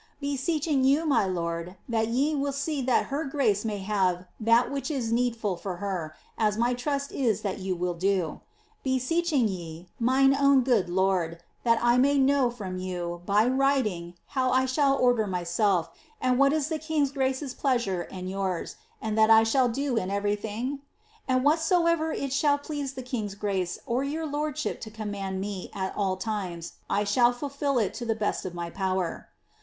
BeseccLing you, my lord, that ye will see that her grace may have that which is needful Ibr her, as my trust is that ye will do. Beseeching ye, mine own good lord, that I may know from you, by writing, how I shall order myself, and what is the king's grace's pleasure and yours ; and that I shall do in everything f And whatsomever it shall please the king's grace or your lordship to command me at all times, I shall fulfil it to the best of my power.